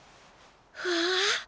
わあ。